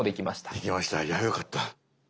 できましたいやよかった。